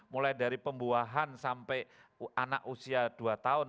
mulai dari pembuahan sampai anak usia dua tahun